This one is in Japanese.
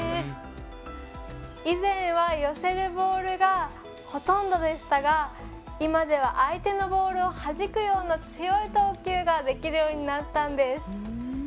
以前は寄せるボールがほとんどでしたが今では、相手のボールをはじくような強い投球ができるようになったんです。